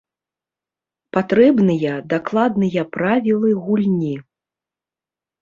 Патрэбныя дакладныя правілы гульні.